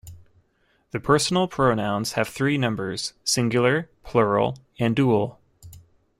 The personal pronouns have three numbers: singular, plural and dual.